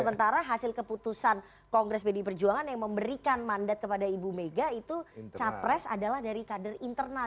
sementara hasil keputusan kongres pdi perjuangan yang memberikan mandat kepada ibu mega itu capres adalah dari kader internal